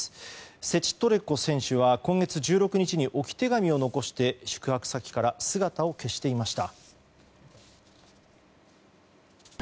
セチトレコ選手は今月１６日に置き手紙を残して宿泊先から姿を消していました。